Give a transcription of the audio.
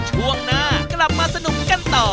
ช่วงหน้ากลับมาสนุกกันต่อ